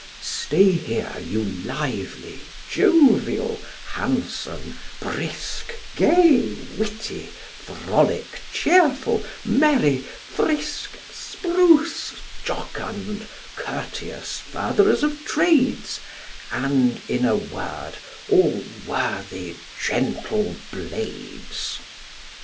Stay here, you lively, jovial, handsome, brisk, Gay, witty, frolic, cheerful, merry, frisk, Spruce, jocund, courteous, furtherers of trades, And, in a word, all worthy gentle blades.